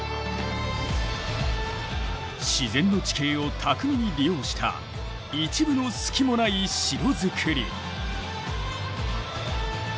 自然の地形を巧みに利用した一分の隙もない城づくり。